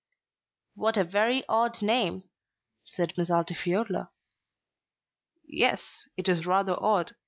"What a very odd name!" said Miss Altifiorla. "Yes, it is rather odd.